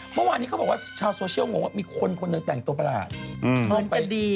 เมื่อวานนี้เขาบอกว่าชาวโซเชียลงงว่ามีคนคนหนึ่งแต่งตัวประหลาดเหมือนกันดี